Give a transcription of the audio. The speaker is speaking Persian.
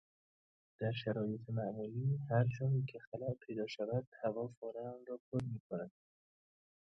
درشرایط معمولی هر جایکه خلاء پیدا شود؛ هوا فوراً آنرا پر میکند.